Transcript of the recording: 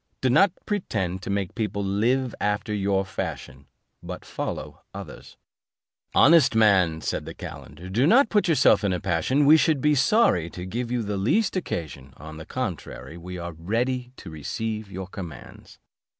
Do not pretend to make people live after your fashion, but follow ours." "Honest man," said the calender, "do not put yourself in a passion; we should be sorry to give you the least occasion; on the contrary, we are ready to receive your commands."